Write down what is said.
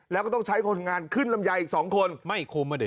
แล้วก็ต้องใช้คนงานขึ้นรำยายอีกสองคนไม่คุ้มอ่ะเดี๋ยว